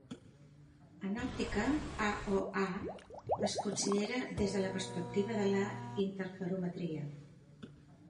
En òptica, AoA es considera des de la perspectiva de la interferometria.